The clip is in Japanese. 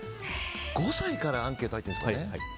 ５歳からアンケート入ってるんですもんね。